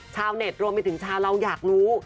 ชาวเน็ตรวมไปถึงชาวเราอยากรู้